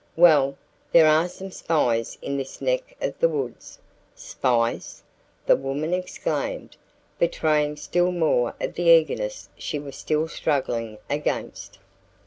"Well, there are some spies in this neck of the woods." "Spies!" the woman exclaimed, betraying still more of the eagerness she was still struggling against.